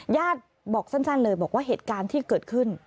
ญาติบอกสั้นเลยบอกว่าเหตุการณ์ที่เกิดขึ้น